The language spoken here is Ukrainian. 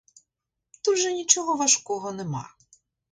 Тут же нічого важкого нема.